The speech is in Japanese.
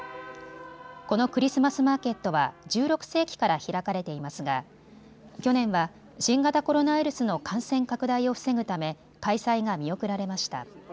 このクリスマスマーケットは１６世紀から開かれていますが去年は新型コロナウイルスの感染拡大を防ぐため開催が見送られました。